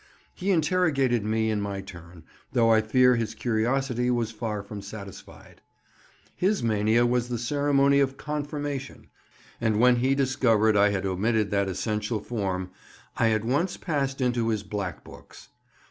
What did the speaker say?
He interrogated me in my turn, though I fear his curiosity was far from satisfied. His mania was the ceremony of "confirmation," and when he discovered I had omitted that essential form, I at once passed into his black books.